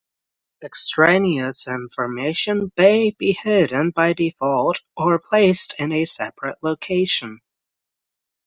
Extraneous information may be hidden by default or placed in a separate location.